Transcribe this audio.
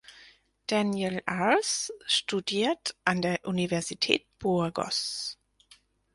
Daniel Arce studiert an der Universität Burgos.